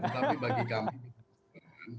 tapi bagi kami tidak